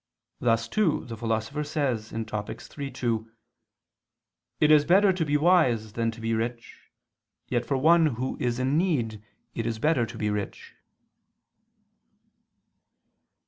Thus too the Philosopher says (Topic. iii, 2): "It is better to be wise than to be rich, yet for one who is in need, it is better to be rich